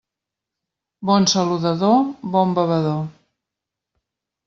Bon saludador, bon bevedor.